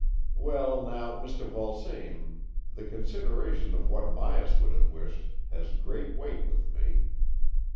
''Well, now, Mr. Vulsame, the considera tion of what Myas would have \fished has great weight with me.